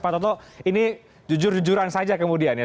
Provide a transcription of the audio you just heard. pak toto ini jujur jujuran saja kemudian ya